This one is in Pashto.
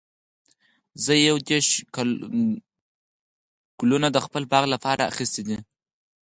زه یو دیرش ګلونه د خپل باغ لپاره اخیستي دي.